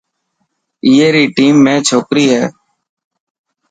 اي ري ٽيم ۾ ڇوڪري هي.